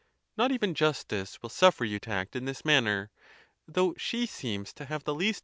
Not even justice will suffer you to act in this manner, though she seems to have the least.